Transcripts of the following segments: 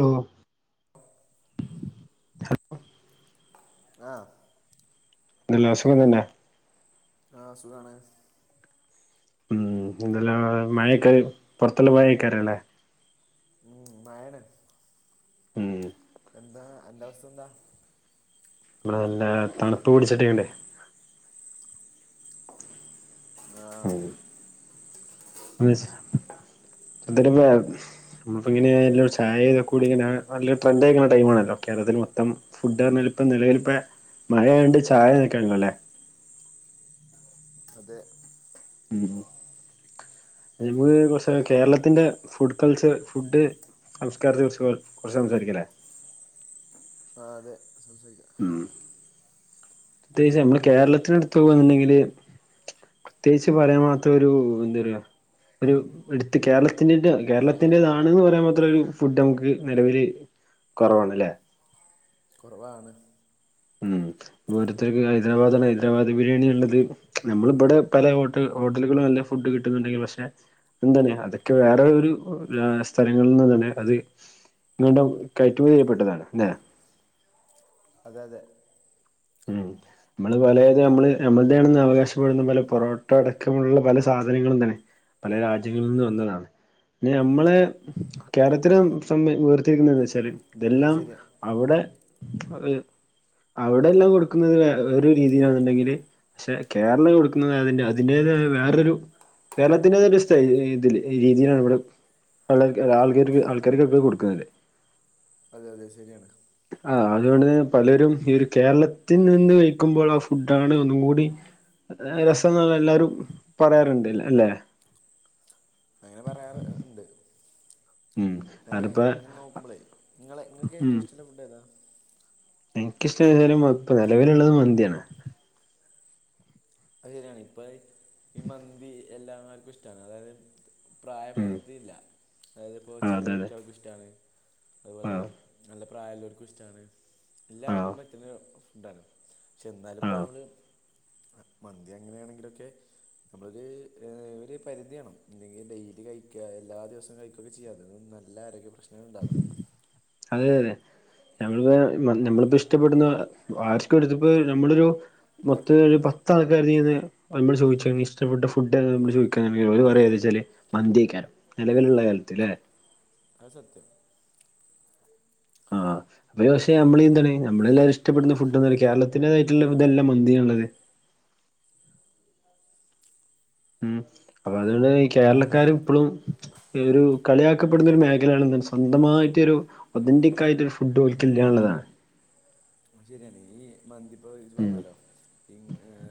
Hello [inaudible] ആഹ്. എന്തല്ലാ സുഖം തന്നെ. ആഹ് സുഖാണ്. ഉം എന്തല്ലാ മഴക്കേ പൊർത്തുള്ള മഴയ്ക്കാരല്ലേ. മ്മ്ഹ് മഴേണ്. ഉം എന്താ അന്റെ അവസ്ഥ എന്താ ഇവിടെ നല്ല തണുപ്പ് പിടിച്ചിട്ട്ങ്ങ് ണ്ട് [unintelligible] [unintelligible] നമ്മപ്പ ഇങ്ങനയല്ലോ ചായതൊക്ക കൂടി ഇങ്ങനെ നല്ലരു ട്രെഡ് ആയിക്കുന്ന ടൈമാ ആണല്ല കേരത്തിൽ മൊത്തം ഫുഡ് പറഞ്ഞാൽ ഇപ്പ നിലവിൽ ഇപ്പ മഴയൊണ്ട് ചായൊക് അല്ലേ അതെ മ് [unintelligible] പക്ഷേ കേരളത്തിന്റെ ഫുഡ് കൾച്ചർ ഫുഡ് സംസ്കാരത്തെ കുച്ച് കുറച്ച് സംസാരിക്കണ്ടേ ആഹ് അതെ സംസാരിക്കാം ഉം പ്രത്യേകച്ച് നമ്മള് കേരളത്തിനടുത്ത് വന്ന്ണ്ടെങ്കില് പ്രത്യേകിച്ച് പറയാൻ മാത്ര ഒരു എന്താ പറയാ ഒരു എടുത്ത് കേരളത്തിന്റെ കേരളത്തിന്റെറേതാണ്ന്ന് പറയാൻ മാത്രം ഒരു ഫുഡ് നമുക്ക് നിലവില് കൊറവാണ് ല്ലേ കൊറവാണ് ഉം ഓരോത്തർക്ക് ഹൈദരാബാദാണ് ഹൈദരാബാദ് ബിരിയാണി ഉള്ളത് നമ്മളിവിടെ പല ഹോട്ട ഹോട്ടലുകളും നല്ല ഫുഡ് കിട്ടുന്നുണ്ടെങ്കി പക്ഷെ എന്തറിയോ അതൊക്കെ വേറെ ഒരു സ്ഥലങ്ങളിൽ നിന്ന് തന്നെ അത് വീണ്ടും കയറ്റുമതി ചെയ്യപ്പെട്ടതാണ് ല്ലേ അതെ അതെ ഉം നമ്മള് പലേത് നമ്മള് നമ്മൾതണെന്ന് അവകാശപ്പെടുന്ന പല പൊറോട്ട അടക്കമുള്ള പല സാധനങ്ങളും തന്നെ പല രാജ്യങ്ങളിൽ നിന്ന് വന്നതാണ് പിന്ന നമ്മള് കേരളത്തിലെ സം ഉയർത്തിരിക്കുന്നന്ന് വച്ചാല് അത് ഇതെല്ലാം ശരിയാ അവിടെ ഇവിടെയ എല്ലാം കൊടുക്കുന്നത് വെറെ ഒരു രീതിയിലാന്നുണ്ടെങ്കില് പക്ഷെ കേരളം കൊടുക്കുന്നത് അതിന്റെ അതിന്റേതായ വേറൊരു കേരളത്തിന്റെത സ്റ്റൈയില് ഇതില് രീതിയിലാണ് ഇവിടെ പ്പള്ള ആൾക്കാർ ക്ക് ആൾക്കാർ കൊക്കെ കൊടുക്കുന്നില്ലേ അതെ അതെ ശരിയാണ് ആഹ് അതുകൊണ്ട്തെപലരുംഈഒരു കേരളത്തിൽ നിന്ന് കഴിക്കുമ്പോൾ ആ ഫുഡ ആണ് ഒന്നും കൂടി രസം ന്ന് ള്ള എല്ലാരും പറയാറുണ്ട് അല്ലെ അങ്ങനെ പറയാറ് ഇണ്ട് ഉം ഞാന് അതിപ്പ ഇങ്ങനെ നോക്കുമ്പളേ നിങ്ങളെ ഇങ്ങൾക്ക് ഏറ്റും ഇഷ്ട്ടള്ള ഫുഡ്ഏതാ ഇൻക്ക്ഷ്ടം എതാലും പ്പം നിലവില് ഇള്ളത് മന്തി ആണ് അഹ് ശരിയാണ് ഇപ്പൊ ഈ മന്തി എല്ലമാർക്കും ഇഷ്ടാണ് അതായത് ഉം പ്രായപരിധി ഇല്ല അതായത് ഇപ്പോ ആഹ് അതെ ചെറിയ അതെ കുട്ട്യോൾക്ക് ഇഷ്ടാണ് അതുപോലെ ആഹ് നല്ല പ്രായള്ളോർക്കും ഇഷ്ടമാണ് ആഹ് എല്ലാർക്കും പറ്റുന്നൊരു ഫുഡാണ് ഛെ ന്നാലും ഇപ്പോ ആഹ് നമ്മള് മന്തി അങ്ങനെയാണെങ്കിലൊക്കെ നമ്മളൊര് ഏഹ് ര്പരിധി വേണം ഇല്ലെങ്കിൽ ഡെയിലി കഴിക്ക എല്ലാ ദിവസവും കഴി കൊ കെചെയ്യതെ നല്ല ആരോഗ്യ പ്രശ്നങ്ങള് ഇണ്ടാകും അതെ അതെ നങ്ങ തെ നമ്മളിപ്പോ ഇഷ്ടപ്പെടുന്ന ആർക്ക് വേണ്ടി ത്പ്പോ നമ്മളൊരു മൊത്തം ഒരു പത്ത്ആൾക്കാർ ചെയ്ത് നമ്മൾ ചോദിച്ച ഇഷ്പെട്ട ഫുഡ് ഏതാ നമ്മൾചോദിക്കാണങ്കി ഓല് പറ ഏതാച്ചാല് മന്തി ഏക്കാരം നിലവിലുള്ള കാലത്ത്ല്ലേ അഹ് സത്യം ആഹ് ഒര് പക്ഷേ നമ്മളീ എന്താണ് പിന്നെന്ത് നമ്മളെല്ലാരും ഇഷ്ടപ്പെടുന്ന ഫുഡ് എന്ന നിലക്ക് കേരളത്തിന്റെതായിട്ടുള്ള ഇതല്ല മന്തി ന്നുള്ളത് ഉം അപ്പൊ അതുകൊണ്ട് ഈ കേരളക്കാര് ഇപ്പളും ഒരു കളിയാക്കപ്പെടുന്നൊരു മേഖലയാണ്ന്തൻ സ്വന്തമായിട്ട് ഒരു ഒതന്റിക് ആയിട്ട് ഒരു ഫുഡ് ഒലിക്കില്ല എന്നുള്ളതാണ് ശരിയാണ് ഈ മന്തി ഇപ്പൊ ഉം ഇജിപറഞ്ഞല്ലോ ഈ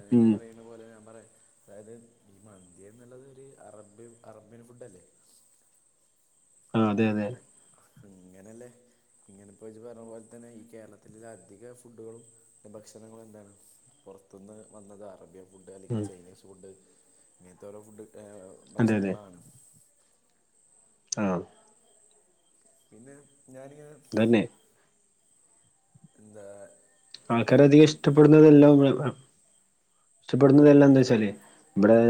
നിങ്ങൾ ഉം പറയ പോലെ ഞാൻ പറയാ അതായത് ഈ മന്തിയ എന്നുള്ളത് ഒരു അറബ്യ അറേബ്യൻ ഫുഡ് അല്ലേ? ആ അതെ അതെ അങ്ങനെല്ലേ? ഇങ്ങനെപ്പോ ഇജ് പറഞ്ഞപോലെ തന്നെ ഈ കേരളത്തില അധിക ഫുഡുകളും ഭക്ഷണങ്ങളും എന്താണ് പുറത്തുനിന്ന് വന്നതാ അറേബ്യ ഫുഡ് അല്ലെങ്കിൽ ഉം ചൈനീസ് ഫുഡ് ഇങ്ങനത്തെ ഓരോ ഫുഡ് അതെ അതെ ഭക്ഷണങ്ങളാണ് ആഹ് പിന്നെ ഞാനി തന്നെ എന്താ? എനിക്ക് ആൾക്കാരെ അധികം ഇഷ്ടപ്പെടുന്നതല്ലോ ഇഷ്ടപ്പെടുന്നതെല്ലാം ഞാനിങ്ങനെ എന്താ വച്ചാല് ബടെ ആ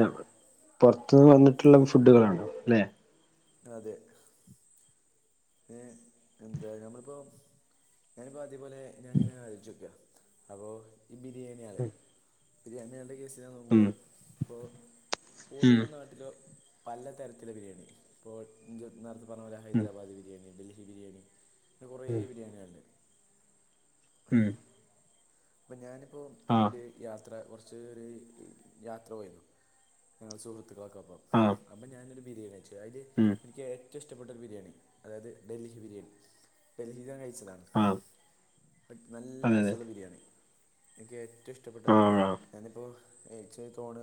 പുറത്തന്ന് വന്നിട്ടുള്ള ഫുഡുകളാണ് ലെ അതെ എന്താ നമ്മളിപ്പോ ഞാനിപ്പോ അതേപോലെ ഞാനിങ്ങനെ ആലോച്ചോക്കാ അപ്പൊ ഈ ബിരിയാണി ആള് ബിരിയാണി ആളുടെ കേസ് ഉം നോക്കുമ്പോളെ അപ്പോൾ ഓരോ ഉം നാട്ടിലും പല തരത്തില ബിരിയാണി ഇപ്പോൾ ഇന്റെ പറഞ്ഞ പോലെ ഉം ഹൈദരാബാദ് ബിരിയാണി, ഡൽഹി ബിരിയാണി പിന്നെ കുറേ ഉം ബിരിയാണിൾ ഇണ്ട് ഉം എഹ് അപ്പൊ ഞാനിപ്പോ ആഹ് എന്നോട് യാത്ര കൊർച്ച്‌ ഒര് യാത്ര പോയിന്നു ഞങ്ങള് സുഹൃത്ത്ക്ക്ളക്കെ ഒപ്പം ആഹ് അപ്പ ഞാനൊരു ബിരിയാണി വെച്ചു അയ്ല് ഉം എനിക്ക് ഏറ്റം ഇഷ്ട്ടപ്പെട്ട ഒര് ബിരിയാണി അതായത് ഡൽഹി ബിരിയാണി ഡൽഹിന്ന് ഞാൻ കയ്ച്ചതാ ആഹ് നല്ല അതെ അതെ രസള്ള ബിരിയാണി എൻക്ക് ഏ റ്റ ഇഷ്ട്ടപ്പെട്ടത് ആഹ് ആഹ് ഞാനിപ്പോ ഏച്ച് തോണ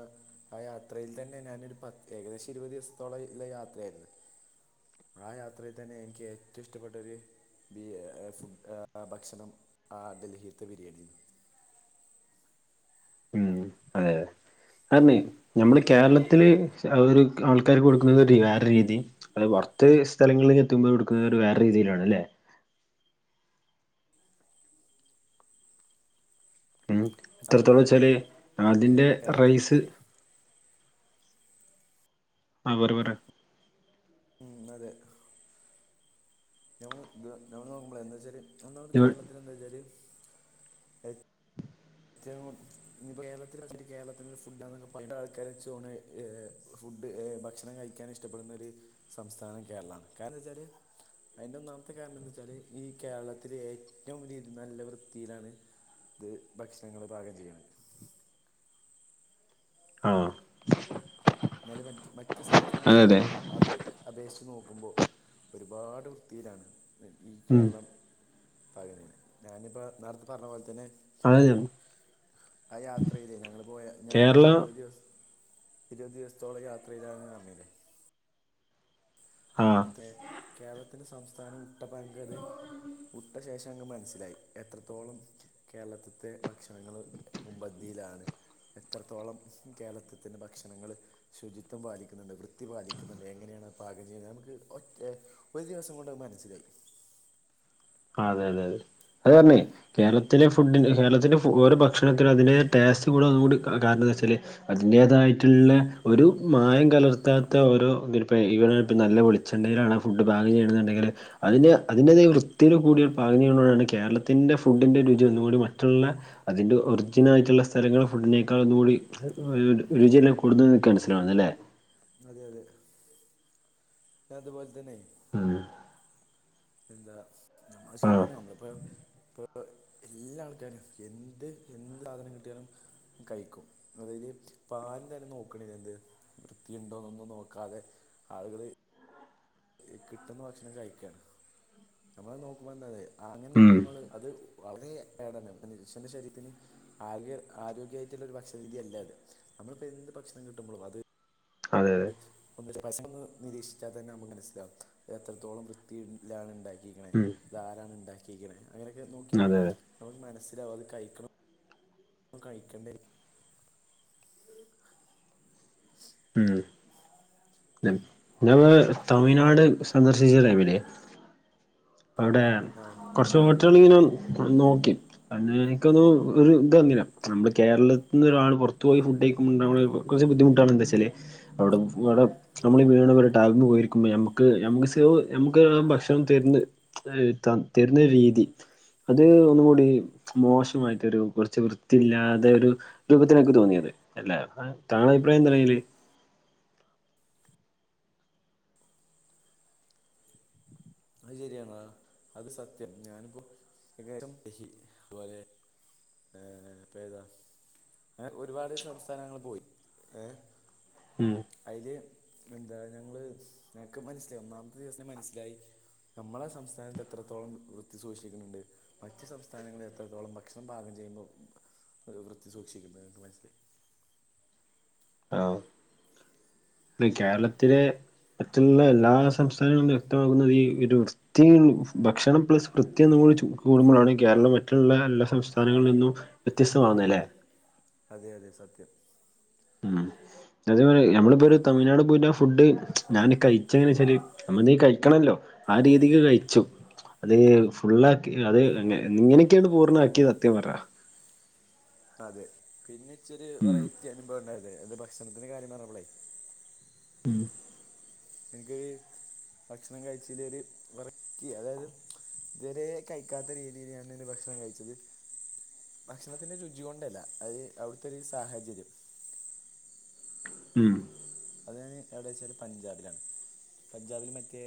ആ യാത്രയിൽ തന്നെ ഞാനൊരു പാ ഏകദേശം ഇര്പത് ദിവസത്തോളംള്ള യാത്രയായിര്ന്ന് ആ യത്രേതന്നെ എനിക്ക് ഏറ്റവും ഇഷ്ട്ടപ്പെട്ട ഒര് ബി ഫുഡ് ഭക്ഷണം ആ ഡൽഹിത്തെ ബിരിയാണിര്ന്നു ഉം അതെ അർഞ്ഞ് നമ്മള് കേരളത്തില് ഒരു ആൾക്കാര് കൊടുക്കുന്നത് വേറെ രീതി അത് പൊർത്ത് സ്ഥലങ്ങളില് എത്ത് മ്പോ കൊടുക്ക്ന്ന ഒരു വേറെ രീതിയിലാണ് അല്ലേ ഇത്രത്തോളം അതെ വെച്ചാല് അതിൻ്റെ നമ്മളെ കേരളത്തിൽ റൈസ് ആ [unintelligible] ഉം അതെ നമ്മള് നമ്മള് നോക്ക്മ്പോളേ എന്താച്ചാല് ഒന്നാമത് കേരളത്തില് എന്താച്ചാല് ഏറ്റവും ഞ്ഞ്പ്പോ കേരളത്തില് ഫുഡാന്നൊക്കെ പണ്ട ആൾക്കാര് ച്ച് ഓണ് ഫുഡ് ഭക്ഷണം കഴിക്കാൻ ഇഷ്ടപ്പെടുന്ന ഒര് സംസ്ഥാനം കേരളാണ് കാരണം ന്താച്ചാല് അയ്ന്റെ ഒന്നാമത്തെ കാരണം എന്ത വെച്ചാല് ഈ കേരളത്തില് ഏറ്റവും രീതി നല്ല വൃത്തിയിലാണ് ഇത് ഭക്ഷണങ്ങള് പാകം ചെയ്യണ് ആ ന്നാലും മറ്റ് മറ്റ് സംസ്ഥാനങ്ങളെ നമ്മ അപേ അപേക്ഷിച്ച് നോക്കുമ്പോ ഒരുപാട് വൃത്തിയിലാണ് ഈ ഉം കേരളം പകന്ണ് ഞാനിപ്പോ നേർത്തെ പറഞ്ഞ പോൽ തന്നെ അതെ ആ യാത്രേലെ ഞങ്ങള് പോയ ഞാനൊരു കേരള ഇര്‌വത് ദിവസം ഇര് വത് ദിവസത്തോളം യാത്രേലാണ് പർനിലെ ആഹ് [unintelligible] കേരളത്തിന്റെ സംസ്ഥാനം ഉട്ട പങ്ക്ത് ഉട്ട ശേഷം അങ്ങ് മനസ്സിലായി എത്രത്തോളം കേരളത്തിത്തെ ഭക്ഷണങ്ങള് മുമ്പന്തിലാണ് എത്രത്തോളം കേരളത്തിത്തിന്റെ ഭക്ഷണങ്ങള് ശുചിത്വം പാലിക്ക്ന്ന്ണ്ട്, വൃത്തി പാലിക്ക്ന്ന്ണ്ട്, എങ്ങനേണത് പാ [unintelligible] നമ്ക്ക് ഒറ്റേ ഒര് ദിവസം കൊണ്ടത് മനസ്സിലായി. ആഹ്, അതെ അതെ അതെ അത്ർഞ്ഞെ കേരളത്തിലെ ഫുഡ്ഡിന്, കേരളത്തിന്റെ ഓരോ ഭക്ഷണത്തിനും, അതിന്റെതായ ടേസ്റ്റ് കൂടു അതുകൊണ്ട് കാരണെന്താച്ചാല് അതിന്റേതായിട്ട്ള്ളെ ഒര് മായം കലർത്താത്ത ഓരോ [unintelligible] [unintelligible] ആ ഫുഡ് പാകം ചെയ്യ്ണ്ന്ന്ണ്ടെങ്കില്, അതിന് അതിന്റെതായ വൃ [unintelligible] പാകം ചെയ്യ്ണോണ്ടാണ് കേരത്തിൻ്റെ ഫുഡ്ഡിൻ്റെ രുചി ഒന്നുകൂടി മറ്റ്ള്ളെ അതിന്റെ ഒറിജിനായിട്ട്ള്ള സ്ഥലങ്ങള് ഫുഡിനേക്കാൾ ഒന്നും കൂടി രുച് രുചിയെല്ലാ കൂടുന്നത് ൻക്കനസ്സിലാവ്ന്നി ല്ലേ അതെ അതെ, അത്പോൽ തന്നെ ആഹ് എന്താ നമ്മ ശരിയാണ് നമ്മള്പ്പ, ഇപ്പോ [unintelligible] എല്ലാ ആൾക്കാരും എന്ത് എന്ത് സാധനം കിട്ടിയാലും കയിക്കും. അതായത് ഇപ്പൊ ആരും തന്നെ നോക്ക്ണില്ല എന്ത് വൃത്തി ഇണ്ടോന്നൊന്നും നോക്കാതെ ആളുകള് ഈ കിട്ട്ന്ന ഭക്ഷണം കയിക്കാണ്. നമ്മളത് നോക്ക്മ്പോ എന്തത് അങ്ങനെ ഉം നോക്ക്മ്പോള് അത് വളരേ [unintelligible] ശരീരത്തിന് ആകെ ആരോഗ്യായിട്ട്ള്ളൊര് ഭക്ഷണ രീതിയല്ല അത്. നമ്മളിപ്പോ എന്ത് ഭക്ഷണം കിട്ട്മ്പളും അത് അതെ അതെ [unintelligible] നിരീക്ഷിച്ചാ തന്നെ നമ്മക്ക് മനസ്സിലാവും, എത്രത്തോളം വൃത്തി ല്ലാണ് ഇണ്ടാക്കി ക്ക്ണ്, ഉം ഇതാരാണ് ഇണ്ടാക്കീക്ക്ണ് അങ്ങനെക്കെ നോക്ക്യാല്, അതെ അതെ നമ്മക്ക് മനസ്സിലാവും അത് കഴിക്ക്ണ [unintelligible] കഴിക്കണ്ടേ ഉം ഞങ്ങൾ തമിഴ്നാട് സന്ദർശിച്ച ടൈമില് അവ്ടെ ആ കുറച്ച് [unintelligible] നോക്കി. അന്ന് എനിക്കൊന്നു ഒരു ഇത് വന്നില. നമ്മള് കേരളത്ത്ന്ന് ഒരാൾ പൊർത്ത് പോയി ഫുഡയിക്കുമ്പണ്ടാവ്ണ കൊർച്ച് ബുദ്ധിമുട്ടാളെന്താച്ചാല് അവ്ടെ [unintelligible] അവ്ടെ നമ്മൾ വീണ ഒരു ടേബിൾമേ പോയിരിക്കുമ്പോ, നമ്ക്ക് നമ്ക്ക് സേവ് നമ്ക്ക് ആ ഭക്ഷണം തരുന്ന് ഏ ത തരുന്ന രീതി, അത് ഒന്നുകൂടി മോശമായി തരു കൊർച്ച് വൃത്തിയില്ലാതെ, ഒരു രൂപത്തിലാ ഇൻക്ക് തോന്നിയത് അല്ലേ താങ്കളെ അഭിപ്രായെന്താണയ്ല്? അത് ശരിയാണ് ആഹ്, അത് സത്യം. ഞാന്പ്പോ [unintelligible] ഏഹ് അപ്പേതാ? ഏ ഒരുപാട് സംസ്ഥാനങ്ങൾ പോയി ഏഹ് ഉം അയ്ല്, എന്താ ഞങ്ങള് ഞങ്ങക്ക് മനസ്സിലായി ഒന്നാമത്തെ ദിവസം മനസ്സിലായി നമ്മളെ സംസ്ഥാനത്ത് എത്രത്തോളം വൃത്തി സൂക്ഷിക്ക്ന്ന് ണ്ട് മറ്റു സംസ്ഥാനങ്ങള് എത്രത്തോളം ഭക്ഷണം പാകം ചെയ്യുമ്പോ, വൃത്തി സൂക്ഷിക്കുന്ന് മനസ്സിലായി. ആഹ്, ഇന്ന് കേരളത്തിലെ മറ്റുള്ളെ എല്ലാ സംസ്ഥാനങ്ങളും വ്യക്തമാകുന്നത് ഈ ഒരു [unintelligible] ഭക്ഷണം പ്ലസ് വൃത്തി ഒന്നും കൂടി കൂടുമ്പോളാണ് കേരളം മറ്റുള്ള എല്ലാ സംസ്ഥാനങ്ങളിൽ നിന്നും വ്യത്യസ്തമാവുന്നെ ലെ? അതെ അതെ സത്യം. ഉം അതേ മാരി, നമ്മളിപ്പോ ഒരു തമിഴ്നാട് പോയിട്ടാ ഫുഡ് ഞാന് കഴിച്ചെങ്ങനെച്ചാല് നമ്മളെന്തേം കയ്ക്കണല്ലോ, ആ രീതിക്ക് കഴിച്ചു. അത് ഫുള്ളാക്കി അത് എങ്ങനൊക്കെഅണ് പൂർണ്ണാക്കി സത്യം പർഞ്ഞാ അതെ, പിന്നെ ഇച്ചൊര് വെറൈറ്റി അനുഭവണ്ടായതെ അത് ഭക്ഷണത്തിന്റെ കാര്യം പറഞ്ഞപ്പളെ ഉം എൻക്ക് ഭക്ഷണം കഴിച്ചീല് ഒര് വെറ [unintelligible] ക്കി അതായത് ഇതുവരെ കഴിക്കാത്ത രീതിയില് ഞാനിന്ന് ഭക്ഷണം കഴിച്ചത് ഭക്ഷണത്തിന്റെ രുചി കൊണ്ടല്ല അത് അവിടുത്തെ ഒരു സാഹചര്യം ഉം അത് ഞാന് എവിടെ വെച്ചാൽ പഞ്ചാബിലാണ് പഞ്ചാബിൽ മറ്റേ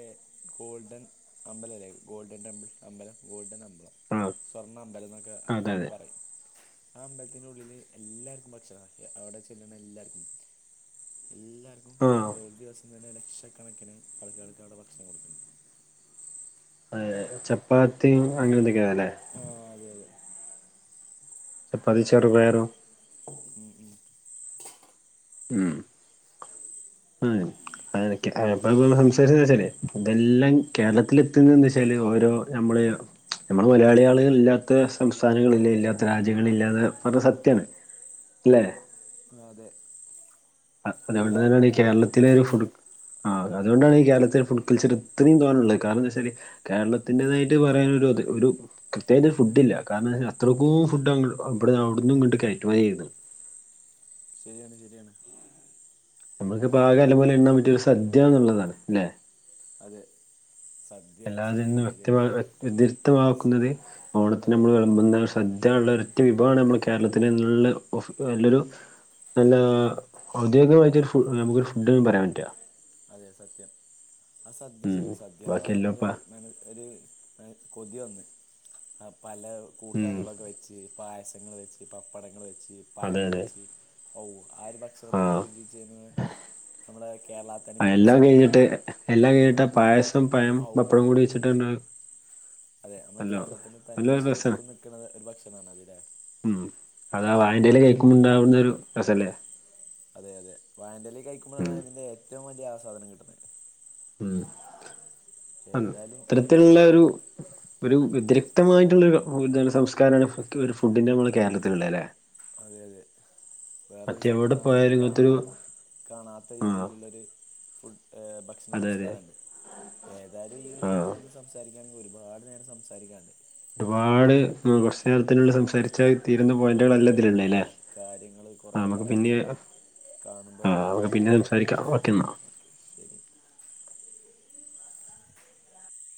ഗോൾഡൻ അമ്പലം അല്ലേ ഗോൾഡൻ ടെമ്പിൾ അമ്പലം ഗോൾഡൻ അമ്പലം ആ സ്വർണ അമ്പലം എന്നൊക്കെ അതെ നമ്മള് അതെ പറയും ആ അമ്പലത്തിൻ്റെ ഉള്ളിൽ എല്ലാർക്കും ഭക്ഷണം അവിടെ ചെല്ലുന്ന എല്ലാർക്കും എ എല്ലാവർക്കും ആ എത്രയോ ഒരു ദിവസം തന്നെ ലക്ഷക്കണക്കിന് ആൾക്കൾക്ക് അവിടെ ഭക്ഷണം കൊടുക്കുന്നുണ്ട് ഏ ചപ്പാത്തിയും അങ്ങനെ എന്തൊക്കെയാ അല്ലേ ആ അതെ അതെ ചപ്പാത്തി ചെറുപയറും ഉം ഉം ഉം ഉം [unintelligible] സംസാരിച്ച വെച്ചാല് ഇതെല്ലാം കേരളത്തില് എത്തിയതെന്ന് വെച്ചാല് ഓരോ നമ്മള് നമ്മള് മലയാളി ആളുകൾ ഇല്ലാത്ത സംസ്ഥാനങ്ങളില്ല ഇല്ലാത്ത രാജ്യങ്ങളില്ലാ പറഞ്ഞ സത്യാണ് അല്ലേ ആതെ അതുകൊണ്ട് തന്നെയാണ് ഈ കേരളത്തിലെ ഒരു ഫുഡ് ആഹ് അതുകൊണ്ടാണ് ഈ കേരളത്തിൽ ഫുഡ് കൾച്ചർ ഇത്രയും തോന്നുള്ളത് കാരണം എന്താ വെച്ചാല് കേരളത്തിൻ്റെതായിട്ട് പറയാൻ ഒരു അത് ഒരു കൃത്യമായിട്ട് ഫുഡില്ല കാരണം വച്ചാൽ അത്രകോ ഫുഡാ അവിടുന്ന് ഇങ്ങോട്ട് കയറ്റുമതി ചെയുന്നത് ശരിയാണ് ശരിയാണ് നമുക്ക് ഇപ്പോ ആകെ നല്ല പോലെ എണാൻ പറ്റിയ ഒരു സദ്യ എന്നുള്ളതാണ് അല്ലെ? അതെ സദ്യ സദ്യയില. വ്യത്യാസ്തമാക്കുന്നത് ഓണത്തിന് അതെ നമ്മൾ വിളമ്പുന്ന. സദ്യ ഉള്ള ഒറ്റ വിഭവമാണ് നമ്മൾ കേരളത്തിന് നല്ല നല്ലൊരു. ഹലോ ഔദ്യോഗികമായിട്ടൊരു ഫുഡ് ഫുഡ്ന്ന് പറയാൻ പറ്റാ അതെ സത്യം ആ സദ്യ ഉം ശരി സദ്യന്ന് ബാക്കി പറഞ്ഞപ്പോ അത്. എല്ലോപ്പാ മ ഒരു കൊതി വന്ന് ആ പല ഉം കൂട്ടാനുകളളൊക്കെ വെച്ച്. പായസങ്ങള് വെച്ച് പപ്പടങ്ങൾ വെച്ച് അതെ പഴം അതെ വെച്ച്. ഓ ആ ഒരു ഭക്ഷണത്തിന്റെ ആഹ് രുചിച്ചത് നമ്മുടെ കേരള തനിമയുടെ എല്ലാം ശരി കഴിഞ്ഞിട്ട് ഒരു എല്ലാം കഴിഞ്ഞിട്ട് ആ പായസം പഴം ഔ പപ്പടം കൂടി വെച്ചിട്ട് അങ്ങട്. അതെ നമ്മളെ കേരളത്തിന് തനിമ നല്ലൊരു രസാണ് ശരിക്കും നിൽക്ക്ണ ഒരു ഭക്ഷണണ് അത് ലെ. ഉം അതാ വാഴന്റെലയിൽ കഴിക്കുമ്പോണ്ടാവുന്ന ഒരു രസല്ലേ? അതെ അതെ വാഴന്റെലയിൽ കഴിക്കുമ്പോഴാണ് ഉം അതിന്റെ ഏറ്റവും വലിയ ആസാദനം കിട്ടുന്നത്. ഉം ഏതായാലും ഇത്തരത്തിലുള്ള ഈ ഒരു. ഭ ഒരു വ്യതിക്തമായിട്ടുള്ള സംസ്കാരമാണ് ഒരു ഫു ഫുഡിന്റെ നമ്മെളെ കേരളത്തിലുള്ള അല്ലെ. അതെ അതെ. വേറരു സംസ്ഥാനത്തും പോയാലും കാണാ ഇങ്ങനത്തൊരു കാണാത്ത ആഹ് രീതിയിലുള്ളൊരു. ഫുഡ്ഭക്ഷണ അതെ അതെ സംസ്കാരം ഉണ്ട്. ഏതായാലും ഈ ആഹ് വിഷയത്തിൽ നമ്മൾ സംസാരിക്കുകയാണെങ്കിൽ ഒരുപാട് നേരം സംസാരിക്കാണ്ട്. ഒരുപാട് ഉം കുറച്ചു നേരത്തിന് സംസാരി ച്ച തീരുന്ന പോയിന്റുകൾ അല്ലാ ഇതിലുളാത് അല്ലേ തീരുന്നൊന്നല്ല ആ നമക്ക് പിന്നെ. കാണുമ്പോ ആഹ് ളോ നമുക്ക് പിന്നെ സംസാരിക്കാം ഓക്കെ എന്നാ ഓക്കെ ശരി.